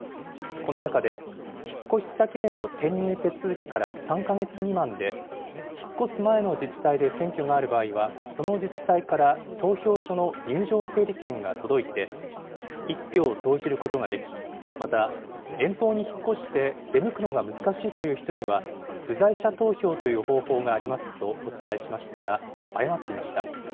この中で、引っ越し先での転入手続きから３か月未満で、引っ越す前の自治体で選挙がある場合は、その自治体から投票所の入場整理券が届いて、１票を投じることができ、また遠方に引っ越して、出向くのが難しいという人には、不在者投票という方法がありますとお伝えしましたが、誤っていました。